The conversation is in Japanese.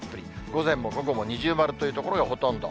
午前も午後も二重丸という所がほとんど。